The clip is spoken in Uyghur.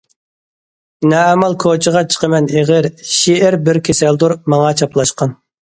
نە ئامال كوچىغا چىقىمەن ئېغىر، شېئىر بىر كېسەلدۇر ماڭا چاپلاشقان.